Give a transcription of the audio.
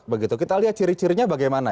begitu kita lihat ciri cirinya bagaimana